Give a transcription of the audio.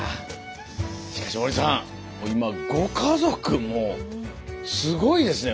しかし森さんもう今ご家族もすごいですね